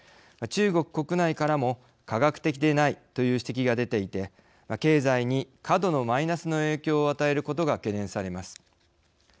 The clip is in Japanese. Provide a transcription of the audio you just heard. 中国国内からも科学的でないという指摘が出ていて経済に過度のマイナスの影響を与えることが懸念されます。